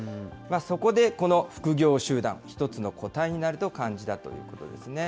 そこで、この副業集団、一つの答えになると感じたということです